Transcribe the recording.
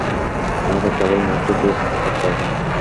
আমাদের কেবল মুহুর্তটি উপভোগ করতে হবে।